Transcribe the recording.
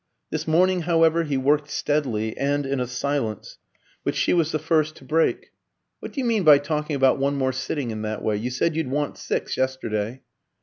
This morning, however, he worked steadily and in a silence which she was the first to break. "What do you mean by talking about one more sitting in that way? You said you'd want six yesterday."